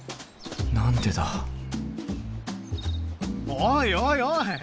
おいおいおい！